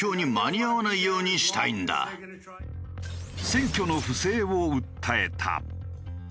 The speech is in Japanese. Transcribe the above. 選挙の不正を訴えた。